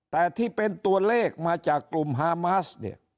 แต่ที่เป็นตัวเลขมาจากกลุ่มฮามาสเนี่ย